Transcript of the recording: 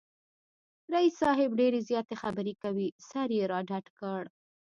رییس صاحب ډېرې زیاتې خبری کوي، سر یې را ډډ کړ